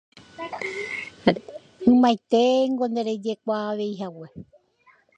ymaiténgo nderejekuaaveihague.